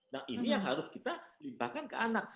nah ini yang harus kita limpahkan ke anak